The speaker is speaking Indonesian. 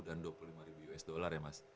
dan dua puluh lima ribu usd ya mas